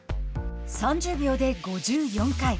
３０秒で５４回。